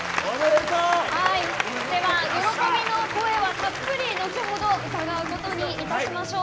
では喜びの声はたっぷり後ほど伺うことにいたしましょう。